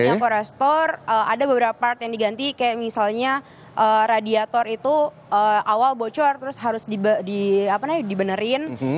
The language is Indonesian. jadi aku restore ada beberapa part yang diganti kayak misalnya radiator itu awal bocor terus harus di benerin